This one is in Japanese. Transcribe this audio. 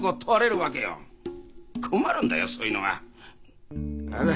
困るんだよそういうのは。